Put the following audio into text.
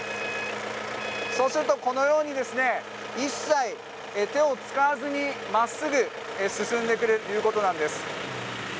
そうするとこのように一切、手を使わずに真っすぐ進んでくれるということです。